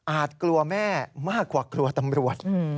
กลัวแม่มากกว่ากลัวตำรวจ